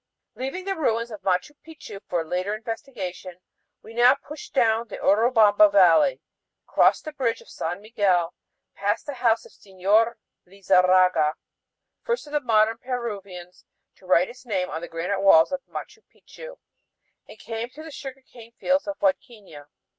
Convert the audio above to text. Leaving the ruins of Machu Picchu for later investigation, we now pushed on down the Urubamba Valley, crossed the bridge of San Miguel, passed the house of Señor Lizarraga, first of modern Peruvians to write his name on the granite walls of Machu Picchu, and came to the sugar cane fields of Huadquiña.